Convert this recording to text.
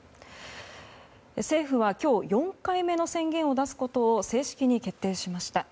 政府は、今日４回目の宣言を出すことを正式に決定しました。